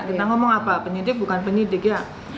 kita ngomong apa penyidik bukan penyidik ya